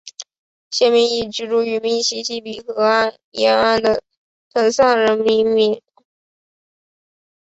县名以居住于密西西比河沿岸的滕萨人命名。